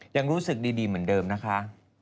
ยังรู้สึกดีเหมือนเดิมนะคะ